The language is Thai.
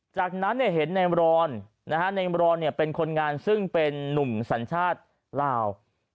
จากนั้นเจอแน่มรอนเป็นคนงานซึ่งเป็นนุ่มสัญชาติลาว